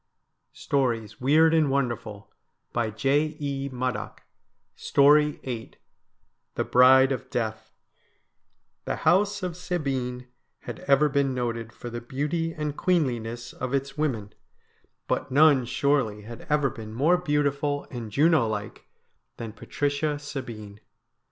92 STORIES WEIRD AND WONDERFUL VIII THE BRIDE OF DEATH The house of Sabine had ever been noted for the beauty and queenliness of its women, but none surely had ever been more beautiful and Juno like than Patricia Sabine.